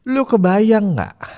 lu kebayang gak